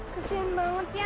kesian banget ya